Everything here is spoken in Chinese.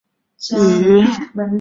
温达特语属于易洛魁语系。